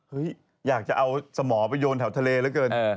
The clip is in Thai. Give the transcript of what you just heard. เห้ยอยากจะเอาสมอไปโยนแถวทะเลแล้วเกิน